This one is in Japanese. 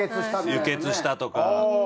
輸血したとか。